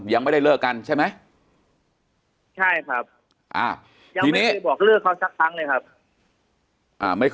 ยังไม่ได้เลิกกันใช่ไหมใช่ครับยังไม่เคยบอกเลิกเขาสักครั้งเลยครับ